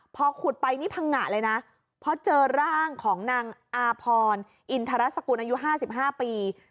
พอขุดไปนี่พังงะเลยนะเพราะเจอร่างของนางอาพรอินทรสกุลอายุ๕๕ปี